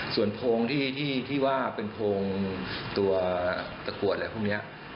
ส่วนโพงที่ว่าเป็นโพงตัวตะกรวดอะไรพวกนี้